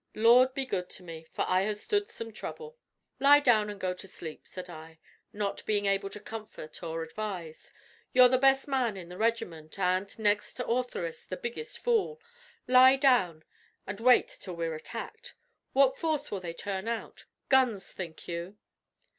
Lord be good to me! for I have stud some trouble." "Lie down and go to sleep," said I, not being able to comfort or advise. "You're the best man in the regiment, and, next to Ortheris, the biggest fool. Lie down, and wait till we're attacked. What force will they turn out? Guns, think you?"